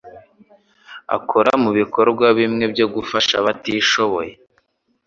Akora mubikorwa bimwe byo gufasha abatishoboye